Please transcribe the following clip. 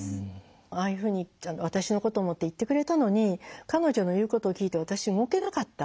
ああいうふうに私のことを思って言ってくれたのに彼女の言うことを聞いて私動けなかった。